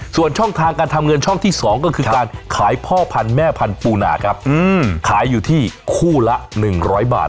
ส่วนช่องทางการทำเงินช่องที่๒ก็คือการขายพ่อพันธุ์แม่พันธุหนาครับขายอยู่ที่คู่ละ๑๐๐บาท